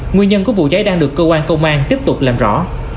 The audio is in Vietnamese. nguyên nhân của vụ cháy đang được cơ quan công an tiếp tục làm rõ